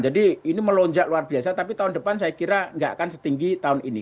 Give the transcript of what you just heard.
jadi ini melonjak luar biasa tapi tahun depan saya kira nggak akan setinggi tahun ini